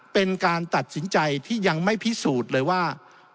เป็นการตัดสินใจที่ยังไม่พิสูจน์เลยว่า